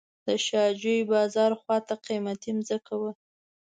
د شاه جوی بازار خواته قیمتي ځمکه وه.